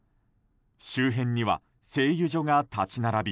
周辺には、製油所が立ち並び